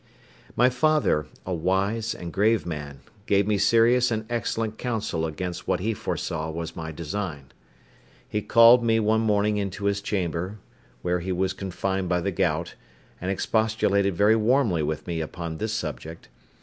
My father, a wise and grave man, gave me serious and excellent counsel against what he foresaw was my design. He called me one morning into his chamber, where he was confined by the gout, and expostulated very warmly with me upon this subject.